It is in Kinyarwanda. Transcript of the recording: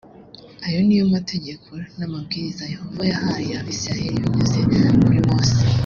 ayo ni yo mategeko n amabwiriza yehova yahaye abisirayeli binyuze kuri mose